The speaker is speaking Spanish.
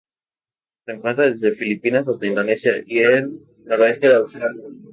Se encuentra desde Filipinas hasta Indonesia y el noroeste de Australia.